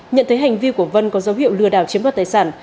nhận thấy hành vi của vân có dấu hiệu lừa đảo chiếm đoạt tài sản